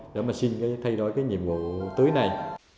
để mà xin thay đổi cái nhiệm vụ tới này